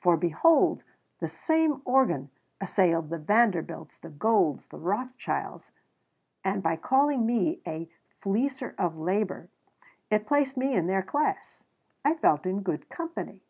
For, behold! the same organ assailed the Vanderbilts, the Goulds, the Rothschilds, and by calling me "a fleecer of labor" it placed me in their class. I felt in good company.